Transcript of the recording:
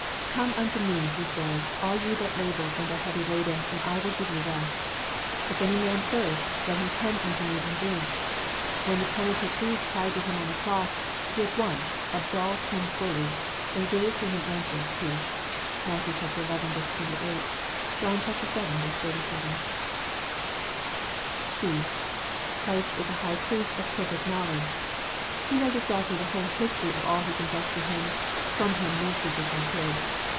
" Come unto Me," He says, " all ye that labour and are heavy laden, and I will give you rest." "If any man thirst, let him come unto Me and drink." When the penitent thief cried to Him on the cross, He at once absolved him fully, and gave him an answer of peace. (Matt. xi. 28 ; John vii. 37.) (e) Christ is a High Priest of perfect knowledge. He knows exactly the whole history of all who confess to Him : from Him no secrets are hid.